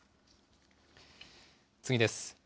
次です。